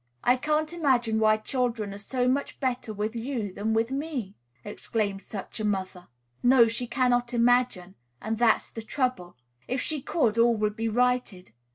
"I can't imagine why children are so much better with you than with me," exclaims such a mother. No, she cannot imagine; and that is the trouble. If she could, all would be righted.